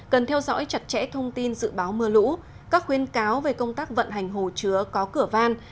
cần theo dõi chặt chẽ thông tin dự báo mưa lũ các khuyên cáo về công tác vận hành hồ chứa có cửa van